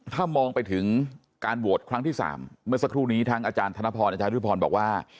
ถ้ามองไปถึงการโหวตครั้งที่๓เมื่อสักครู่นี้ทั้งอาจารย์ธนพรอาจารย์รุพรบอกว่า